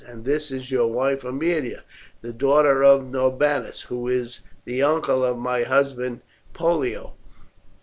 And this is your wife Aemilia, the daughter of Norbanus, who is the uncle of my husband Pollio.